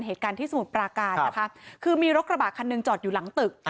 เหตุการณ์ที่สมุทรปราการนะคะคือมีรถกระบะคันหนึ่งจอดอยู่หลังตึก